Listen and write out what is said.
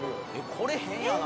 「これ変やな！」